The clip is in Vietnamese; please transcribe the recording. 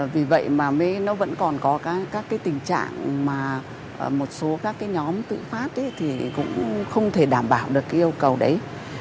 vì vậy mà nó vẫn còn có các tình trạng mà một số các nhóm tự phát thì cũng không thể đảm bảo được yêu cầu đấy